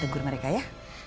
aku mau ke sana